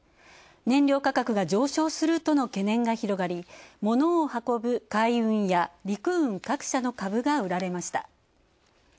燃料価格が上昇するとの懸念が広がりものを運ぶ海運や陸運各社の株が売られました。